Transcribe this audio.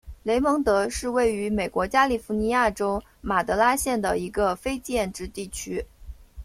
雷蒙德是位于美国加利福尼亚州马德拉县的一个非建制地区。